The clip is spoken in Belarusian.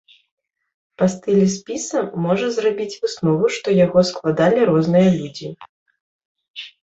Па стылі спіса можна зрабіць выснову, што яго складалі розныя людзі.